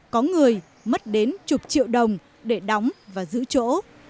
có người mất đến chục triệu đồng để đóng và giữ chỗ